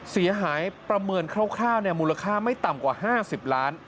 เสียหายประเมินคร่าวมูลค่าไม่ต่ำกว่า๕๐ล้าน